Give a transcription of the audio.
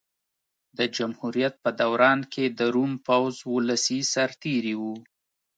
د جمهوریت په دوران کې د روم پوځ ولسي سرتېري وو